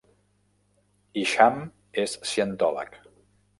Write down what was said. Isham és cientòleg.